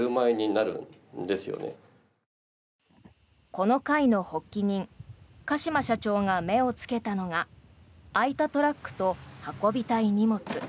この会の発起人、鹿島社長が目をつけたのが空いたトラックと運びたい荷物。